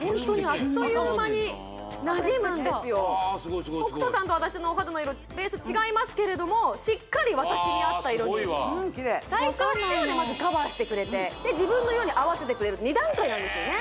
あすごいすごいすごい北斗さんと私のお肌の色ベース違いますけれどもしっかり私に合った色にあすごいわうんキレイ最初は白でまずカバーしてくれてで自分の色に合わせてくれる２段階あるんですよね